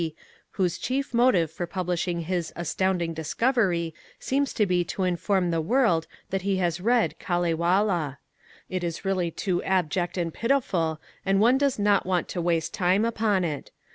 P.," whose chief motive for publish ing his ^' astounding discovery " seems to be to inform the world that he has read ^^ Ealewala." It is really too abject and pitiful, and one does not want to waste time upon it.